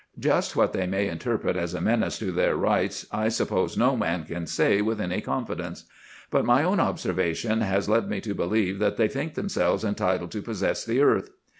Just what they may interpret as a menace to their rights I suppose no man can say with any confidence; but my own observation has led me to believe that they think themselves entitled to possess the earth.